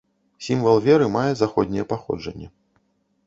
Сімвал веры мае заходняе паходжанне.